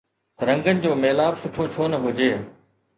رنگن جو ميلاپ سٺو ڇو نه هجي؟